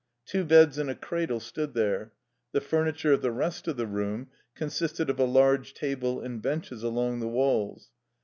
Two beds and a cradle stood there. The furni ture of the rest of the room consisted of a large table and benches along the walls.